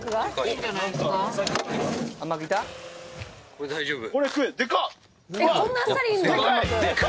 これ大丈夫？